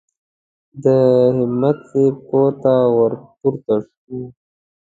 د همت صاحب کور ته ور پورته شوو.